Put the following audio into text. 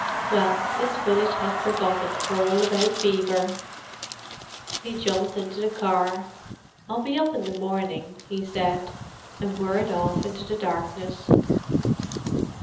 Well, this village had forgotten all about fever." He jumped into the car. "I'll be up in the morning," he said; and whirred off into the darkness.